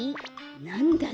なんだ？